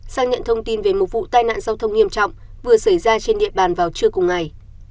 sang nhận thông tin về một vụ tai nạn giao thông nghiêm trọng vừa xảy ra trên địa bàn vào trưa cùng ngày